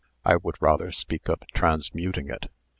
I would rather speak of transmuting it.